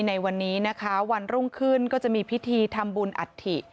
ในวันนี้นะคะวันรุ่งขึ้นก็จะมีพิธีทำบุญอัฐิ